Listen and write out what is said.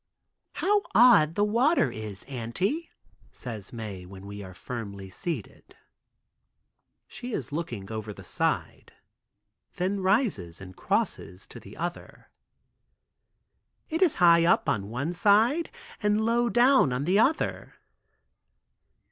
"How odd the water is Auntie," says Mae, when we are calmly seated. She is looking over the side, then rises and crosses to the other. "It is high up on one side and low down on the other."